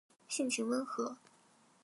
性情温和。